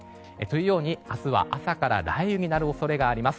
明日は朝から雷雨になる恐れがあります。